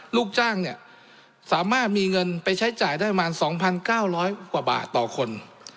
ลูกจ้างเนี่ยสามารถมีเงินไปใช้จ่ายได้ประมาณ๒๙๐๐กว่าบาทต่อคน